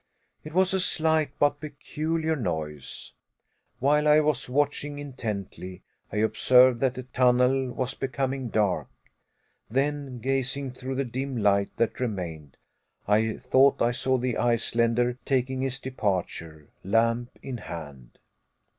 It was a slight but peculiar noise. While I was watching intently, I observed that the tunnel was becoming dark. Then gazing through the dim light that remained, I thought I saw the Icelander taking his departure, lamp in hand.